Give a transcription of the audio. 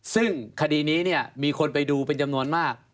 ซึ่งคดีนี้เนี่ยมีคนไปดูเป็นจำนวนมาก